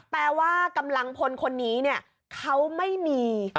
แปลว่ากำลังพลคนนี้เนี่ยเขาไม่มี